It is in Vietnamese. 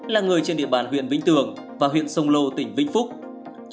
là người trên địa bàn huyện vĩnh tường và huyện sông lô tỉnh vĩnh phúc